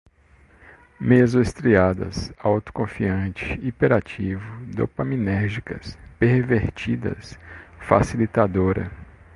meso-estriadas, autoconfiante, hiperativo, dopaminérgicas, pervertidas, facilitadora